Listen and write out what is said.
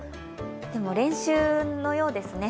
でも練習のようですね。